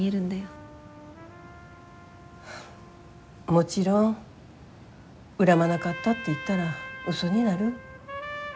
もちろん恨まなかったって言ったらウソになる。